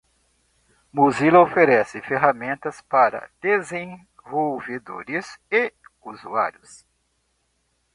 Mozilla oferece ferramentas para desenvolvedores e usuários.